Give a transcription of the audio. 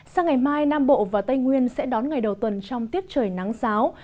sang ngày mai nam bộ và tây nguyên sẽ đón ngày đầu tuần trong tiết trời nắng giáo